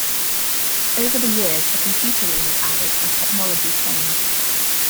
Over the years, a computer room was added as technology changed.